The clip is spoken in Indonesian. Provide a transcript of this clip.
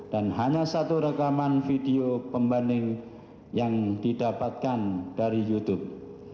dan hanya satu rekaman video pembanding yang didapatkan dari youtube